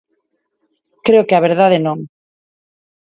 Creo que a verdade non.